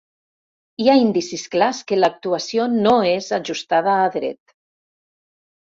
Hi ha indicis clars que l'actuació no és ajustada a dret.